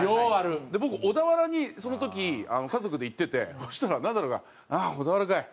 僕小田原にその時家族で行っててそしたらナダルが「小田原かい。